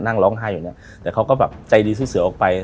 นั่งร้องไห้อยู่เนี่ยแต่เขาก็แบบใจดีซื้อเสือออกไป